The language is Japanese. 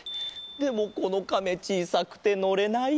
でもこのカメちいさくてのれない。